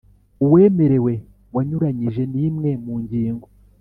Uwemerewe wanyuranyije n imwe mu ngingo